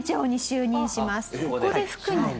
ここで副に。